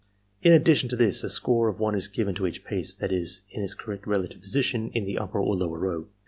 In addition to this, a score of one is given to each piece that is in its correct relative position in the upper or lower row.